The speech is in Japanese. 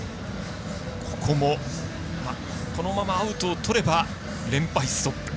ここも、このままアウトをとれば連敗ストップ。